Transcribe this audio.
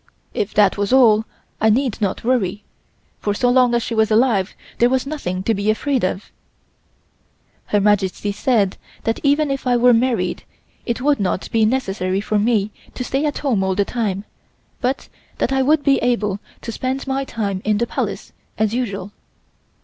If that was all, I need not worry, for so long as she was alive there was nothing to be afraid of. Her Majesty said that even if I were married it would not be necessary for me to stay at home all the time, but that I would be able to spend my time in the Palace as usual.